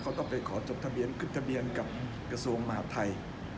เขาต้องไปขอจดทะเบียนขึ้นทะเบียนกับกระทรวงมหาดไทย